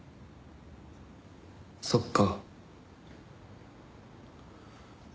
そっか。